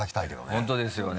本当ですよね。